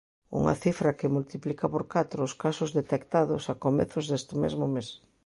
Unha cifra que multiplica por catro os casos detectados a comezos deste mesmo mes.